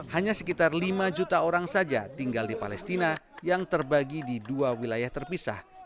hanya sekitar lima juta orang saja tinggal di palestina yang terbagi di dua wilayah terpisah